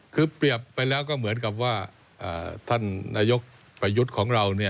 คือเปรียบไปแล้วก็เหมือนกับว่าท่านนายกประยุทธ์ของเราเนี่ย